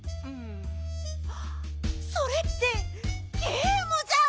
それってゲームじゃん！